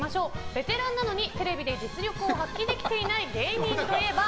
ベテランなのにテレビで実力を発揮できない芸人といえば？